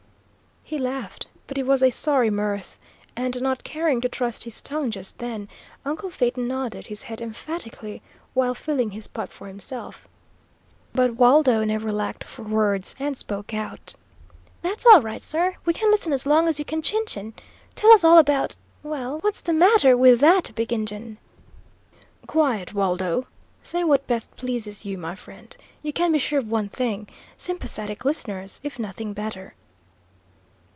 He laughed, but it was a sorry mirth; and not caring to trust his tongue just then, uncle Phaeton nodded his head emphatically while filling his pipe for himself. But Waldo never lacked for words, and spoke out: "That's all right, sir; we can listen as long as you can chin chin. Tell us all about well, what's the matter with that big Injun?" "Quiet, Waldo. Say what best pleases you, my friend. You can be sure of one thing, sympathetic listeners, if nothing better."